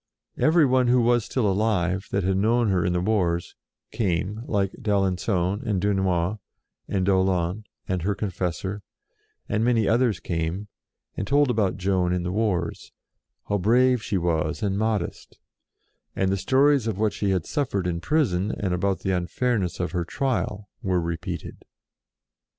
Every one who was still alive, that had known her in the wars, came, like d'Alenc, on, and Dunois, and d'Aulon, and her confessor: and many others came, and told about Joan in the wars, how brave she was and modest, and the stories of what she had suffered in prison, and about the unfairness of her trial, were repeated.